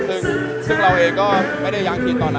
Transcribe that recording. ซึ่งเราเองก็ไม่ได้ยังคิดตอนนั้น